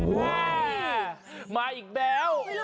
ว้าวมาอีกแล้วโอ้โฮ